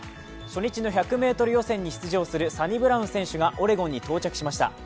初日の１００ｍ予選に出場するサニブラウン選手がオレゴンに到着しました。